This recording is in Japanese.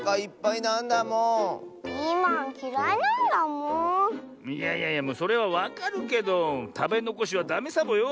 いやいやいやそれはわかるけどたべのこしはダメサボよ。